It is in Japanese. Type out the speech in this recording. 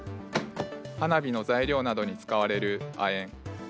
花火の材料などに使われる亜鉛。